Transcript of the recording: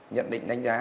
nhận định đánh giá